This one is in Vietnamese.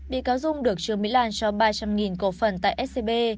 bị cáo dung được trương mỹ lan cho ba trăm linh cổ phần tại scb